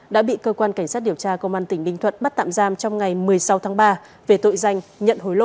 đã bị cơ quan cảnh sát điều tra công an tỉnh bình thuận bắt tạm giam trong ngày một mươi sáu tháng ba về tội danh nhận hối lộ